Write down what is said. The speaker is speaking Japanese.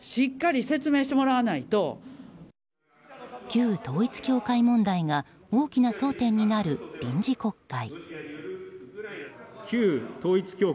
旧統一教会問題が大きな争点になる臨時国会。